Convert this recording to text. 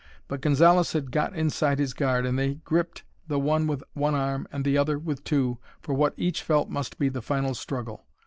But Gonzalez had got inside his guard and they gripped, the one with one arm and the other with two, for what each felt must be the final struggle.